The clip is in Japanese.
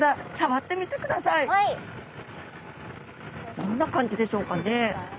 どんな感じでしょうかね？